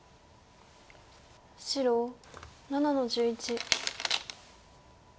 白７の十一。